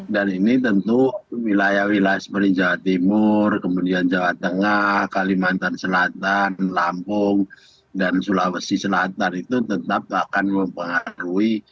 dan ini tentu wilayah wilayah seperti jawa timur kemudian jawa tengah kalimantan selatan lampung dan sulawesi selatan itu tetap akan mempengaruhi